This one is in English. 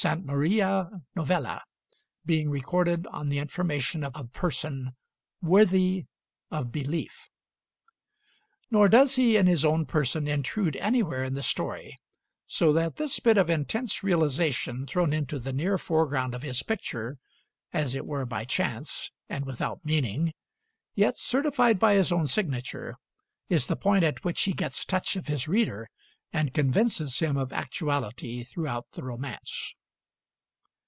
Maria Novella, being recorded on the information of a person "worthy of belief"). Nor does he in his own person intrude anywhere in the story; so that this bit of intense realization thrown into the near foreground of his picture, as it were by chance, and without meaning, yet certified by his own signature, is the point at which he gets touch of his reader and convinces him of actuality throughout the romance.